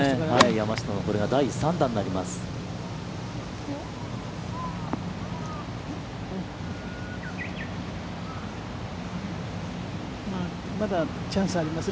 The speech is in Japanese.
山下のこれが第３打になります。